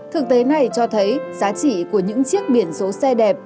thực tế này cho thấy giá trị của những chiếc biển số xe đẹp